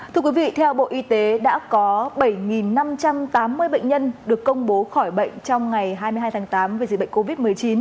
thưa quý vị theo bộ y tế đã có bảy năm trăm tám mươi bệnh nhân được công bố khỏi bệnh trong ngày hai mươi hai tháng tám về dịch bệnh covid một mươi chín